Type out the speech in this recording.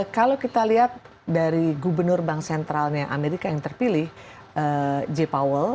kalau kita lihat dari gubernur bank sentralnya amerika yang terpilih j powell